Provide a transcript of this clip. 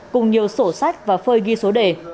cùng nhiều sổ sách và phơi ghi số đề